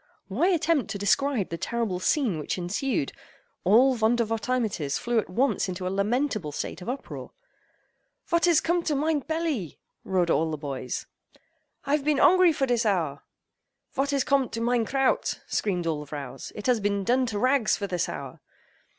Why attempt to describe the terrible scene which ensued? All Vondervotteimittiss flew at once into a lamentable state of uproar. "Vot is cum'd to mein pelly?" roared all the boys—"I've been ongry for dis hour!" "Vot is com'd to mein kraut?" screamed all the vrows, "It has been done to rags for this hour!"